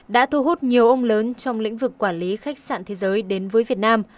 đã thu hút nhiều ông lớn trong lĩnh vực quản lý khách sạn thế giới đến với việt nam